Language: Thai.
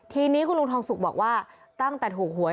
ทีนี้คุณลุงทองสุกบอกว่าตั้งแต่ถูกหวย